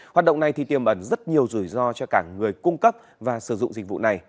hoạt động này thì tiềm ẩn rất nhiều rủi ro cho cả người cung cấp và sử dụng dịch vụ này